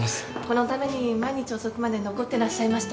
このために毎日遅くまで残ってらっしゃいましたもんね。